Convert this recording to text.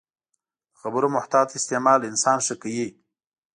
د خبرو محتاط استعمال انسان ښه کوي